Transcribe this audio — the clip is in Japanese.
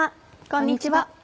こんにちは。